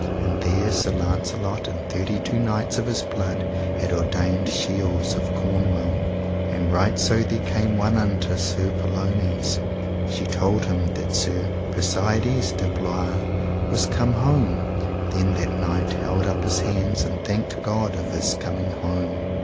And there Sir Launcelot and thirty two knights of his blood had ordained shields of Cornwall. And right so there came one unto Sir Pellounes, and told him that Sir Persides de Bloise was come home; then that knight held up his hands and thanked God of his coming home.